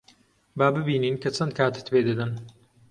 با ببینین کە چەند کاتت پێ دەدەن.